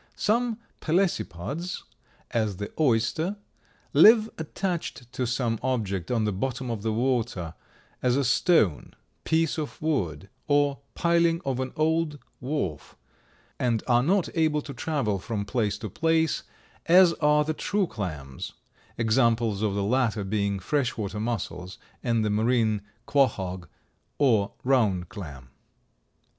Some pelecypods, as the oyster, live attached to some object on the bottom of the water, as a stone, piece of wood or piling of an old wharf, and are not able to travel from place to place as are the true clams, examples of the latter being fresh water mussels and the marine quahaug or round clam.